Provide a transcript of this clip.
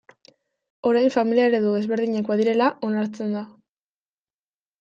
Orain familia eredu desberdinak badirela onartzen da.